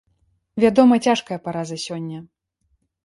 Вядома, цяжкая параза сёння.